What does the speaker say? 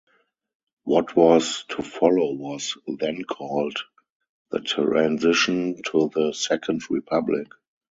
What was to follow was then called the transition to the "Second Republic".